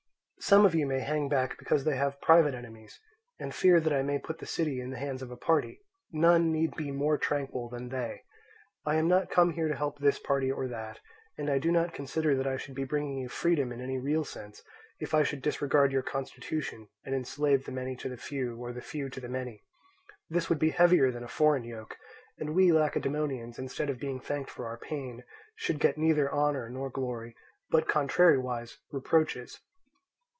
"Some of you may hang back because they have private enemies, and fear that I may put the city into the hands of a party: none need be more tranquil than they. I am not come here to help this party or that; and I do not consider that I should be bringing you freedom in any real sense, if I should disregard your constitution, and enslave the many to the few or the few to the many. This would be heavier than a foreign yoke; and we Lacedaemonians, instead of being thanked for our pains, should get neither honour nor glory, but, contrariwise, reproaches.